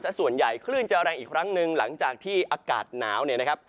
ส่วนใหญ่คลื่นจะแรงอีกครั้งหนึ่งหลังจากที่อากาศหนาวเนี่ยนะครับ